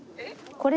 これ。